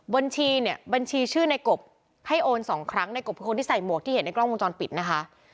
บัญชีเนี่ยบัญชีชื่อในกบให้โอนสองครั้งในกบคือคนที่ใส่หมวกที่เห็นในกล้องวงจรปิดนะคะ